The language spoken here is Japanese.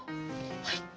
はい！